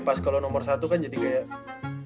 pas kalau nomor satu kan jadi kayak